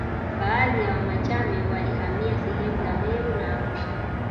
Baadhi ya Wamachame walihamia sehemu za Meru na Arusha